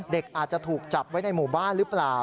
เด็กอาจจะถูกจับไว้ในหมู่บ้านหรือเปล่า